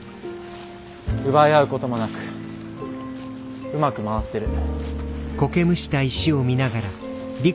奪い合うこともなくうまく回ってる。